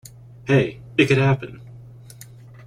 Hey, it could happen!